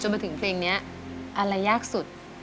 มาถึงเพลงนี้อะไรยากสุด